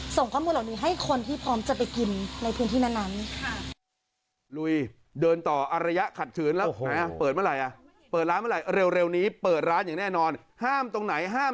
ส่งข้อมูลเหล่านี้ให้คนที่พร้อมจะไปกินในพื้นที่นั้น